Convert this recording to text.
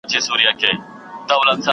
زه به خپله دنده په سمه توګه ترسره کړم.